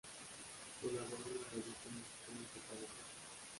Colaboró en la "Revista Musical Catalana".